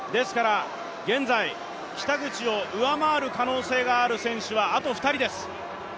現在、北口を上回る可能性がある選手はあと２人です。